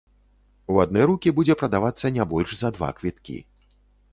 У адны рукі будзе прадавацца не больш за два квіткі.